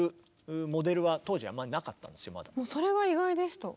それが意外でした。